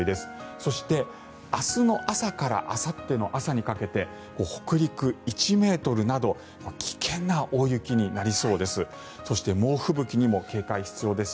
そして、明日の朝からあさっての朝にかけて北陸、１ｍなど危険な大雪になりそうです。